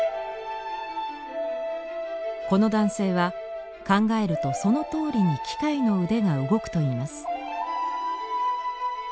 この男性は考えるとそのとおりに機械の腕が動くといいます。